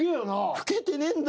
老けてねえんだ。